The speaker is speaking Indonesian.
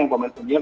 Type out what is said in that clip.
yang pemain senyum